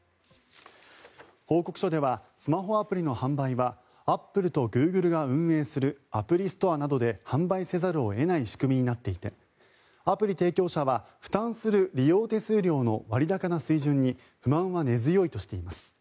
報告書ではスマホアプリの販売はアップルとグーグルが運営するアプリストアなどで販売せざるを得ない仕組みになっていてアプリ提供者は負担する利用手数料の割高な水準に不満は根強いとしています。